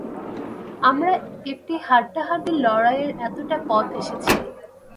আমরা একটি হাড্ডাহাড্ডি লড়াইয়ের এতটা পথ এসেছি।